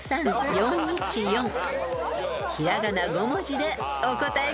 ［平仮名５文字でお答えください］